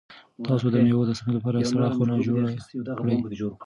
تاسو د مېوو د ساتنې لپاره سړه خونه جوړه کړئ.